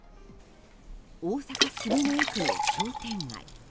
大阪・住之江区の商店街。